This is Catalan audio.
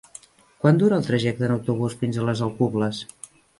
Quant dura el trajecte en autobús fins a les Alcubles?